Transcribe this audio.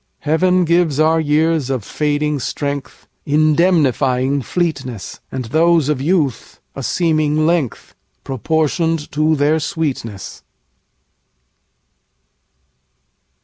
Heaven gives our years of fading strengthIndemnifying fleetness; And those of youth, a seeming length, Proportion'd to their sweetness.